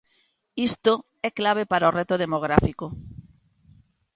Isto é clave para o reto demográfico.